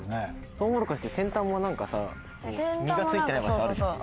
トウモロコシって先端も何かさ実がついてない場所あるじゃん。